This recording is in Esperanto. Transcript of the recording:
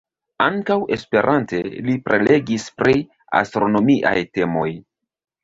Ankaŭ Esperante li prelegis pri astronomiaj temoj.